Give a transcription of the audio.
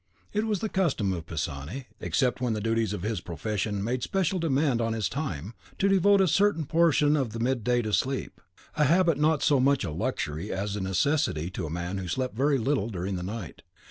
It was the custom of Pisani, except when the duties of his profession made special demand on his time, to devote a certain portion of the mid day to sleep, a habit not so much a luxury as a necessity to a man who slept very little during the night.